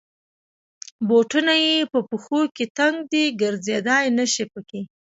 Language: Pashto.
بوټونه یې په پښو کې تنګ دی. ګرځېدای نشی پکې.